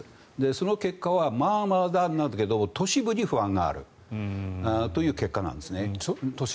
その結果はまあまあなんですけど都市部に不安があるという結果なんですね。